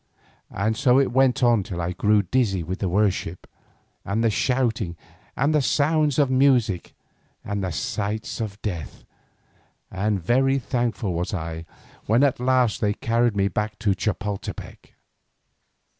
And so it went on till I grew dizzy with the worship, and the shouting, and the sounds of music, and the sights of death, and very thankful was I, when at last they carried me back to Chapoltepec.